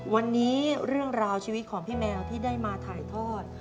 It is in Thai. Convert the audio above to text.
วันนี้เรื่องราวชีวิตของพี่แมวที่ได้มาถ่ายทอด